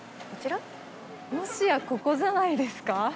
もしやここじゃないですか？